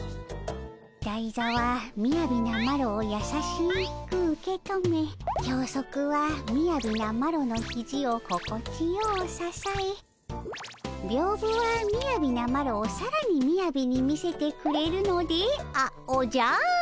だいざはみやびなマロをやさしく受け止めきょうそくはみやびなマロのひじを心地ようささえびょうぶはみやびなマロをさらにみやびに見せてくれるのであおじゃる。